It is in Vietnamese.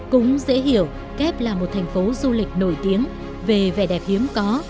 cũng dễ hiểu kép là một thành phố du lịch nổi tiếng về vẻ đẹp hiếm có